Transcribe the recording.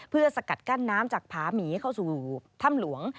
เพื่อสกัดกั้นน้ำจากผาหมีเข้าสู่ถ้ำหลวง